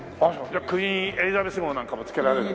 クイーン・エリザベス号なんかもつけられる？